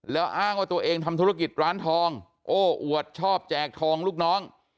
แล้วอ้างว่าตัวเองทำธุรกิจร้านทองโอ้อวดชอบแจกทองลูกน้อง